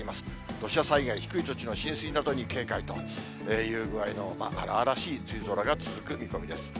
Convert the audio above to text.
土砂災害、低い土地の浸水などに警戒という具合の、荒々しい梅雨空が続く見込みです。